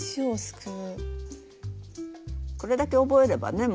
これだけ覚えればね